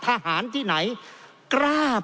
เพราะเรามี๕ชั่วโมงครับท่านนึง